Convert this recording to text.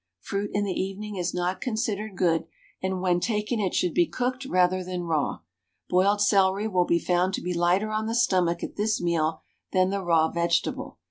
Fruit in the evening is not considered good, and when taken it should be cooked rather than raw. Boiled celery will be found to be lighter on the stomach at this meal than the raw vegetable.